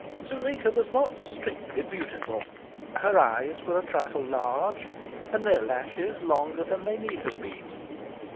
Zuleika was not strictly beautiful. Her eyes were a trifle large, and their lashes longer than they need have been.